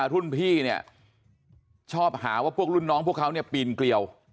รุ่นพี่เนี่ยชอบหาว่าพวกรุ่นน้องพวกเขาเนี่ยปีนเกลียว